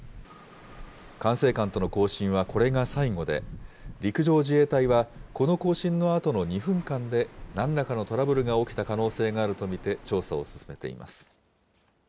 管制官との交信はこれが最後で、陸上自衛隊はこの交信のあとの２分間でなんらかのトラブルが起きた可能性があると見て調査を進めています。